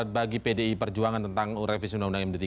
bagi pdi perjuangan tentang revisi undang undang md tiga